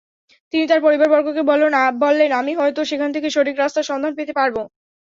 তিনি তাঁর পরিবারবর্গকে বললেন, আমি হয়ত সেখান থেকে সঠিক রাস্তার সন্ধান পেতে পারব।